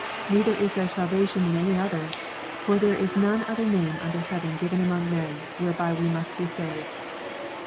Neither is there salvation in any other : for there is none other name under heaven given among men, whereby we must be saved."